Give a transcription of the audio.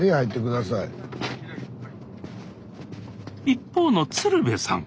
一方の鶴瓶さん